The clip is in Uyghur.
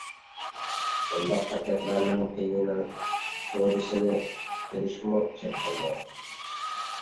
بۇنداق شىركەتلەرنىڭ پېيىنىڭ سودىسىنى قىلىشمۇ چەكلىنىدۇ.